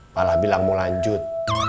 pak lah bilang mau lanjut